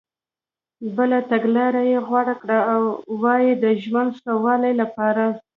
بله تګلارې یې غوره کړي وای د ژوند ښه والي لپاره.